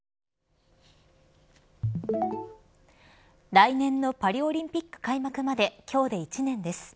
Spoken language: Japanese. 来年のパリオリンピック開幕まで今日で１年です。